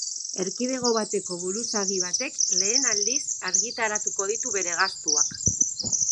Erkidego bateko buruzagi batek lehen aldiz argitaratuko ditu bere gastuak.